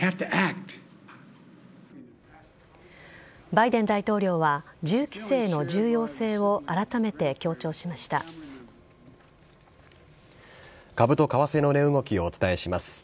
バイデン大統領は銃規制の重要性を株と為替の値動きをお伝えします。